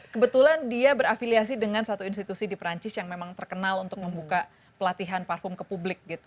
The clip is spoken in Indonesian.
kebetulan dia berafiliasi dengan satu institusi di perancis yang memang terkenal untuk membuka pelatihan parfum ke publik gitu